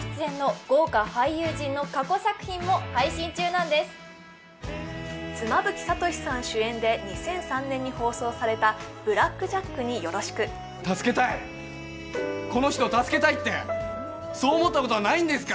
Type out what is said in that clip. Ｐａｒａｖｉでは妻夫木聡さん主演で２００３年に放送された「ブラックジャックによろしく」助けたいこの人を助けたいってそう思ったことはないんですか？